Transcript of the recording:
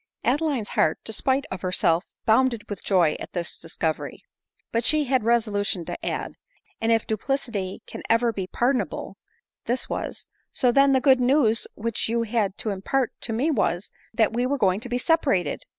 Adeline's heart, spite of herself bounded with joy at this discovery ; but she had resolution to add — and if duplicity can ever be pardonable, this was —" so then the good news which you had to impart to me was, that we were going to be separated